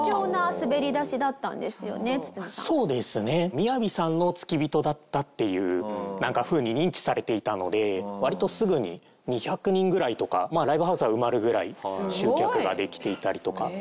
ＭＩＹＡＶＩさんの付き人だったっていうふうに認知されていたので割とすぐに２００人ぐらいとかライブハウスが埋まるぐらい集客ができていたりとか。